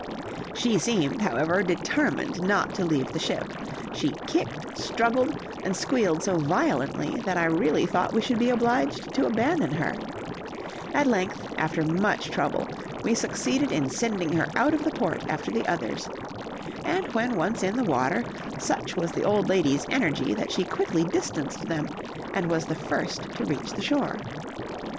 She seemed, however, determined not to leave the ship; she kicked, struggled, and squealed so violently, that I really thought we should be obliged to abandon her; at length, after much trouble, we succeeded in sending her out of the port after the others, and when once in the water, such was the old lady's energy that she quickly distanced them, and was the first to reach the shore.